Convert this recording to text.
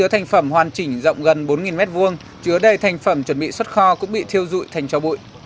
thành phẩm hoàn chỉnh rộng gần bốn m hai chứa đầy thành phẩm chuẩn bị xuất kho cũng bị thiêu dụi thành cho bụi